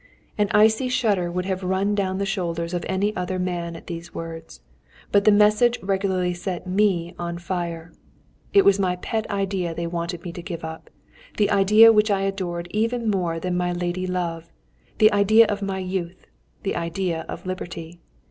An icy shudder would have run down the shoulders of any other man at these words, but the message regularly set me on fire. It was my pet idea they wanted me to give up, the idea which I adored even more than my lady love, the idea of my youth the idea of liberty.